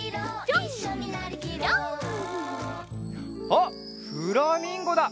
あっフラミンゴだ！